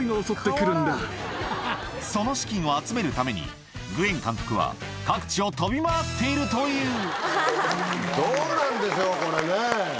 その資金を集めるためにグエン監督は各地を飛び回っているというどうなんでしょうこれね。